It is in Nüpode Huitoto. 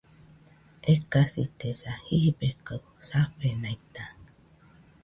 Ekasitesa, jibe kaɨ safenaita